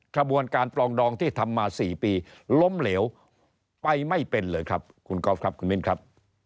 ขบวนการปลองดองที่ทำมา๔ปีล้มเหลวไปไม่เป็นเลยครับคุณกอล์ฟครับคุณมิ้นครับ